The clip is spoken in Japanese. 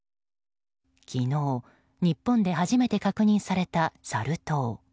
昨日、日本で初めて確認されたサル痘。